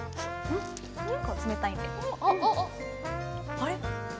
あれ？